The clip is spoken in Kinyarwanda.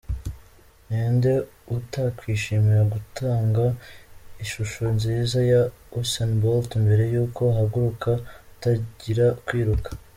Ninde utakwishimira gutunga ishusho nziza ya Usain Bolt mbere yuko ahaguruka atangira kwiruka?.